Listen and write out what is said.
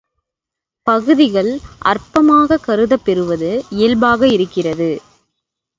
பகுதிகள் அற்பமாகக் கருதப் பெறுவது இயல்பாக இருக்கிறது.